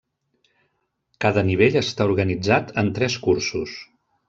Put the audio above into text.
Cada nivell està organitzat en tres cursos.